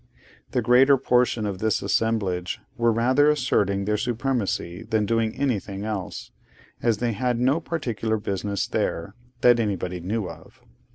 The greater portion of this assemblage were rather asserting their supremacy than doing anything else, as they had no particular business there, that anybody knew of.